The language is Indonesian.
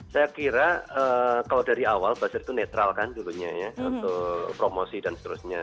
saya kira kalau dari awal buzzer itu netral kan dulunya ya untuk promosi dan seterusnya